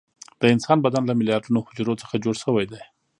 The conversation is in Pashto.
د انسان بدن له میلیارډونو حجرو څخه جوړ شوی دی